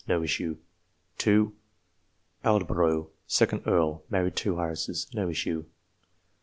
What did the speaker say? No issue. 2 Aldborough, 2d Earl ; married two heiresses. No issue.